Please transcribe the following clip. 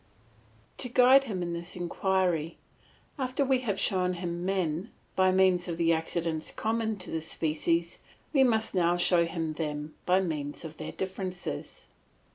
To guide him in this inquiry, after we have shown him men by means of the accidents common to the species, we must now show him them by means of their differences.